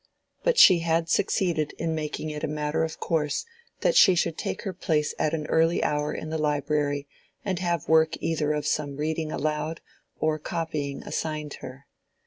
But she had succeeded in making it a matter of course that she should take her place at an early hour in the library and have work either of reading aloud or copying assigned her.